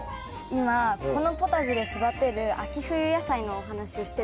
今このポタジェで育てる秋冬野菜のお話をしてて。